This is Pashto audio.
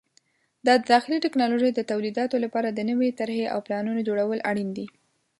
د داخلي ټکنالوژۍ د تولیداتو لپاره د نوې طرحې او پلانونو جوړول اړین دي.